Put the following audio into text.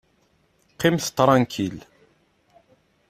Qqimet tṛankil!